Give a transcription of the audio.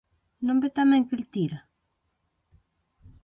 Non ve tamén que El tira?